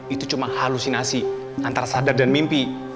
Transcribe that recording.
itu cuma halusinasi antara sadar dan mimpi